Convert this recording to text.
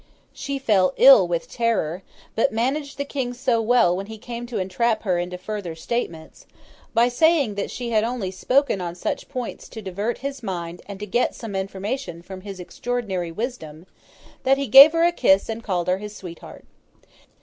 She fell ill with terror; but managed the King so well when he came to entrap her into further statements—by saying that she had only spoken on such points to divert his mind and to get some information from his extraordinary wisdom—that he gave her a kiss and called her his sweetheart.